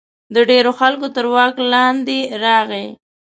د ډېرو خلکو تر واک لاندې راغی.